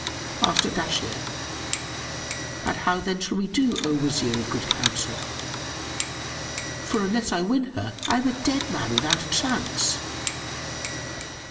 Asked Ardashir, "And how then shall we do, O Wazir of good counsel? For unless I win her I am a dead man without a chance."